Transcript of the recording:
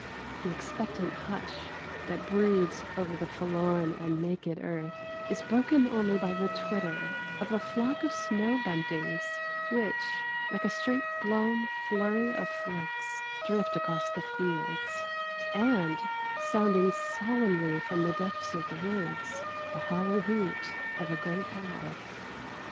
The expectant hush that broods over the forlorn and naked earth is broken only by the twitter of a flock of snow buntings which, like a straight blown flurry of flakes, drift across the fields, and, sounding solemnly from the depths of the woods, the hollow hoot of a great owl.